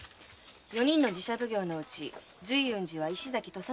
四人の寺社奉行のうち瑞雲寺は石崎土佐